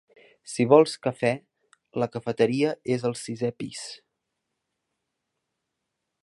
Si vols café, la cafeteria és al sisé pis.